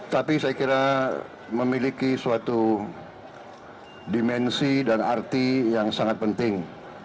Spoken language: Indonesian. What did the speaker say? tapi saya kira memiliki suatu dimensi dan arti yang sangat penting